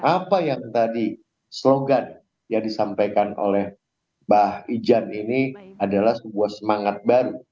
apa yang tadi slogan yang disampaikan oleh mbak ijan ini adalah sebuah semangat baru